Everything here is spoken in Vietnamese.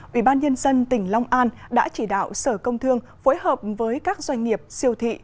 ủy ban nhân dân tỉnh long an đã chỉ đạo sở công thương phối hợp với các doanh nghiệp siêu thị